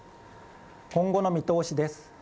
今後の見通しです。